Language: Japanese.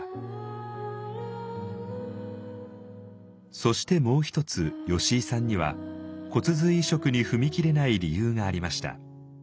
そしてもう一つ吉井さんには骨髄移植に踏み切れない理由がありました。